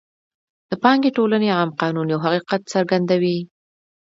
د پانګې ټولونې عام قانون یو حقیقت څرګندوي